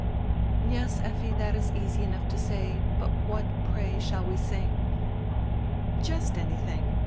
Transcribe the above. "Yes, Effi, diat is easy enough to say, but what, pray, shall we sing?" "Just anything.